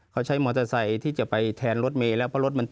เขาใช้มอเตอร์ไซค์ที่จะไปแทนรถเมละ